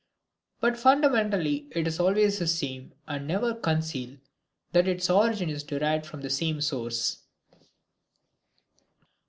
But fundamentally it is always the same and can never conceal that its origin is derived from the same source.